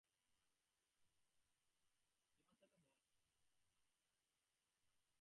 কিন্তু ঘটনাপ্রবাহে বোঝা যাচ্ছিল, পায়ের নিচের মাটি সরে যাচ্ছে বার্সা সভাপতির।